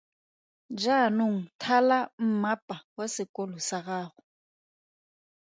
Jaanong thala mmapa wa sekolo sa gago.